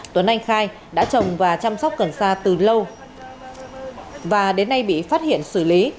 tuấn anh khai đã trồng và chăm sóc cần sa từ lâu và đến nay bị phát hiện xử lý